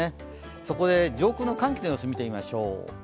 そこで上空の寒気の様子を見てみましょう。